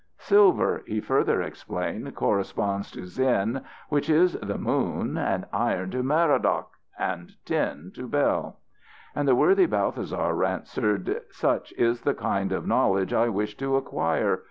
"Silver," he further explained, "corresponds to Sin, which is the moon, iron to Merodach, and tin to Bel." And the worthy Balthasar answered: "Such is the kind of knowledge I wish to acquire.